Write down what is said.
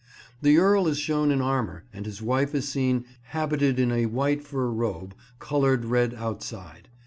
The Earl is shown in armour and his wife is seen habited in a white fur robe, coloured red outside.